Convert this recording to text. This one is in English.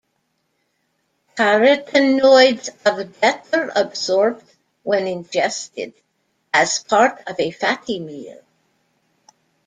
Carotenoids are better absorbed when ingested as part of a fatty meal.